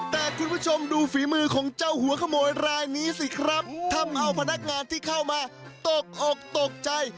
แต่คุณผู้ชมดูฝีมือของเจ้าหัวขโมยรายนี้สิครับทำเอาพนักงานที่เข้ามาตกอกตกใจ